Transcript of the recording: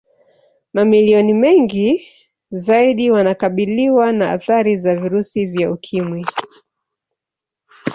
Mamilioni mengi zaidi wanakabiliwa na athari za virusi vya Ukimwi